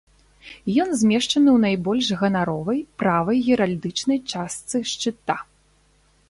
Ён змешчаны ў найбольш ганаровай, правай геральдычнай частцы шчыта.